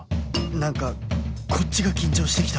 何かこっちが緊張して来た